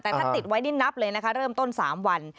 แต่ถ้าติดไว้นี่นับเลยนะคะเริ่มต้น๓วัน